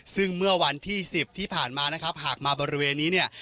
ซึ่งเมื่อวันที่๑๐ที่ผ่านมานะครับหากมาบริเวณนี้เนี่ย